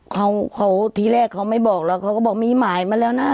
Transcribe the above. เขาเขาทีแรกเขาไม่บอกแล้วเขาก็บอกมีหมายมาแล้วนะ